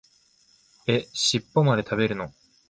え、しっぽまで食べるの？